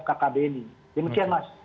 kkb ini demikian mas